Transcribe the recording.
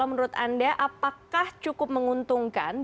menurut anda bagaimana itu